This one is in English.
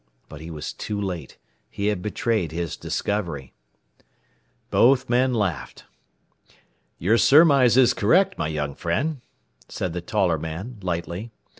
But he was too late. He had betrayed his discovery. Both men laughed. "Your surmise is correct, my young friend," said the taller man, lightly.